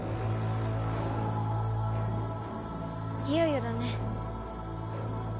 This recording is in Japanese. いよいよだね。